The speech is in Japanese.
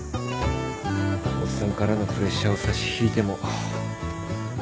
オッサンからのプレッシャーを差し引いても。